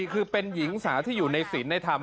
คือเป็นหญิงสาวที่อยู่ในศิลป์ในธรรม